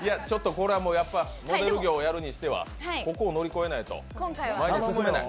これはモデル業をやるにしては、ここを乗り越えないと前に進めない。